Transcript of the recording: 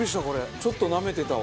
ちょっとなめてたわ。